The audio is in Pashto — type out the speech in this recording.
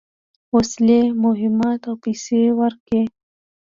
وسلې، مهمات او پیسې ورکړې.